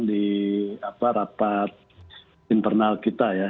di rapat internal kita ya